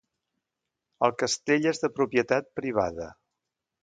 El castell és de propietat privada.